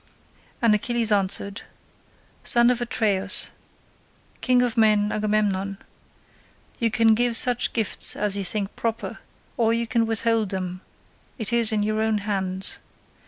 And Achilles answered, "Son of Atreus, king of men Agamemnon, you can give such gifts as you think proper, or you can withhold them: it is in your own hands.